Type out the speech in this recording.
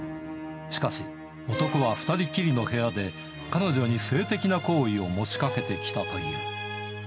しかし、男は２人きりの部屋で彼女に性的な行為を持ちかけてきたという。